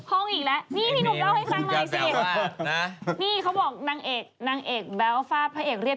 ห้องอีกแล้วนี่พี่หนุ่มเล่าให้ฟังหน่อยสินี่เขาบอกนางเอกนางเอกแบ๊วฟาดพระเอกเรียบ